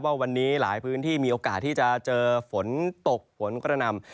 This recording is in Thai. ว่าวันนี้หลายพื้นที่มีโอกาสที่จะเจอฝนตกฝนกระนำ